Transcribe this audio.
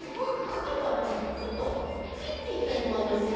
こんどはねちょっときっていきたいとおもいますよ。